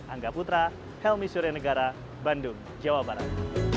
angga putra helmi suryanegara bandung jawa barat